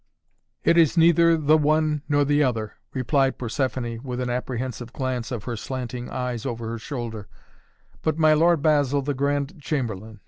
"It is neither the one nor the other," replied Persephoné with an apprehensive glance of her slanting eyes over her shoulder, "but my Lord Basil, the Grand Chamberlain.